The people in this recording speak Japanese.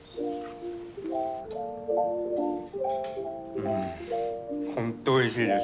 うんほんとおいしいです。